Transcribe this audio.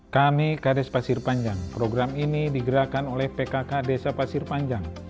kami kades pasir panjang program ini digerakkan oleh pkk desa pasir panjang